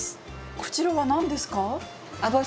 こちらは何ですか？